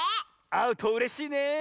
あうとうれしいねえ。